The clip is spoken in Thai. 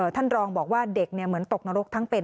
ท่านรองบอกว่าเด็กเหมือนตกนรกทั้งเป็น